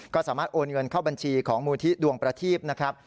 ก็สามารถโอนเงินเข้าบัญชีของมูลที่ดวงประทีพนะครับ